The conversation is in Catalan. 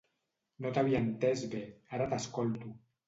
No t'havia entès bé, ara t'escolto!